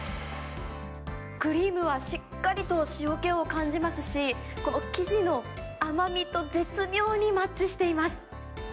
クリームはしっかりと塩気を感じますし、この生地の甘みと絶妙にマッチしています。